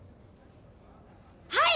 はい！